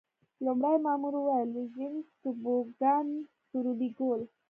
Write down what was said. لومړي مامور وویل: لوژینګ، توبوګان سورلي کول.